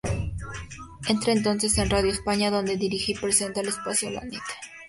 Entra entonces en Radio España, donde dirige y presenta el espacio "La nit".